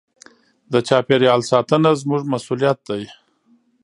د چاپېریال ساتنه زموږ مسوولیت دی.